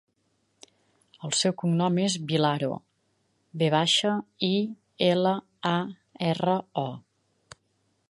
El seu cognom és Vilaro: ve baixa, i, ela, a, erra, o.